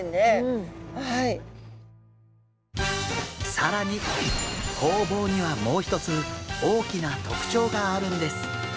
更にホウボウにはもう一つ大きな特徴があるんです。